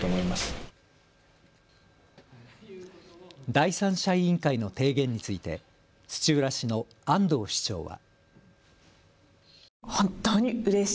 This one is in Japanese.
第三者委員会の提言について土浦市の安藤市長は。